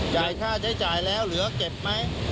ค่าใช้จ่ายแล้วเหลือเก็บไหม